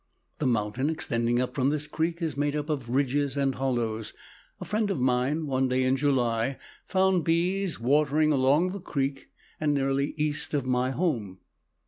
The mountain extending up from this creek is made up of ridges and hollows. A friend of mine, one day in July, found bees watering along the creek and nearly east of my home.